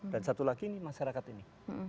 dan satu lagi masyarakat ini